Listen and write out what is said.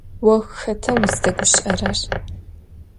Vo xeta vuzdeguşı'erer?